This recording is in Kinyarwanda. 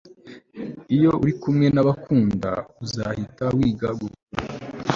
iyo uri kumwe nabakunda, uzahita wiga gukura